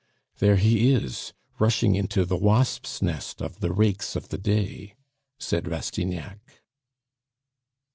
"There he is, rushing into the wasps' nest of the rakes of the day," said Rastignac.